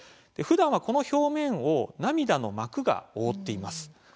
ふだんはこの表面を涙の膜が覆っています。